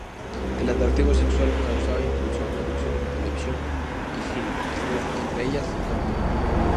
El atractivo sexual que causaba, impulsó producciones de televisión y cine, entre ellas, "Dr.